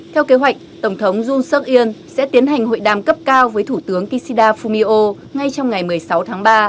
theo kế hoạch tổng thống jun seok in sẽ tiến hành hội đàm cấp cao với thủ tướng kishida fumio ngay trong ngày một mươi sáu tháng ba